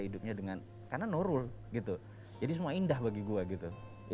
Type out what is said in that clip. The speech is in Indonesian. hidupnya dengan karena norul gitu jadi semua indah bagi gue gitu